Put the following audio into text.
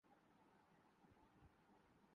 معلوم ہوا یہ میری خوش گمانی تھی۔